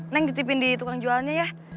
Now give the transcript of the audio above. neng ditipin di tukang jualnya ya